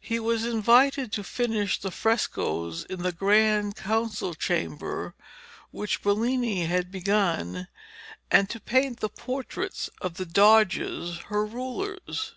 He was invited to finish the frescoes in the Grand Council chamber which Bellini had begun, and to paint the portraits of the Doges, her rulers.